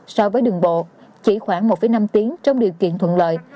so với đường bộ chỉ khoảng một năm tiếng trong điều kiện thuận lợi